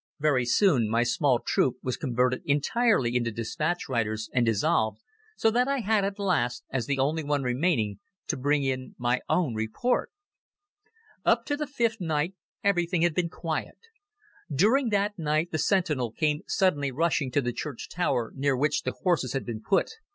Very soon my small troop was converted entirely into dispatch riders and dissolved, so that I had at last, as the only one remaining, to bring in my own report. Up to the fifth night everything had been quiet. During that night the sentinel came suddenly rushing to the church tower near which the horses had been put.